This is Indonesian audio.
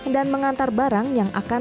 dan mengantar barang yang akan